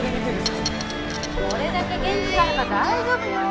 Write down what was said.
これだけ元気があれば大丈夫よ